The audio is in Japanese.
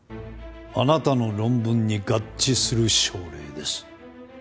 あなたの論文に合致する症例です。